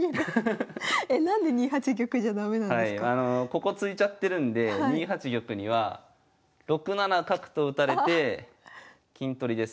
ここ突いちゃってるんで２八玉には６七角と打たれて金取りです。